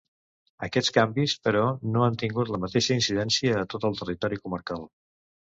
Aquests canvis, però, no han tingut la mateixa incidència a tot el territori comarcal.